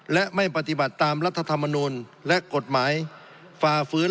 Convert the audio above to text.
และไม่ปฏิบัติตามรัฐธรรมนูลและกฎหมายฝ่าฝืน